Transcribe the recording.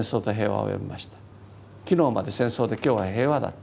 昨日まで戦争で今日は平和だ。